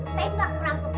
aku akan tembak perangkok itu